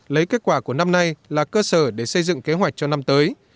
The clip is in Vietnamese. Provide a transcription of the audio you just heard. lấy kết quả của năm nay là cơ sở để xây dựng kế hoạch cho năm tới